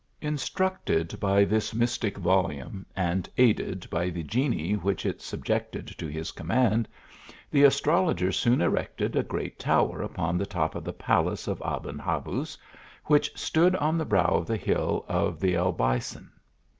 Instructed by this mystic volume, and aided by the genii which it subjected to his command, the astrologer soon erected a great tower upon the top of the palace of Aben Habuz, which stood on the THE ARABIAN ASTROLOGER. 115 brow of the hill of the Albaycin.